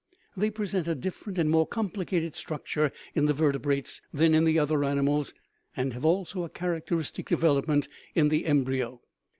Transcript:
They present a different and more complicated structure in the vertebrates than in the other animals, and have also a characteristic development in the embryo.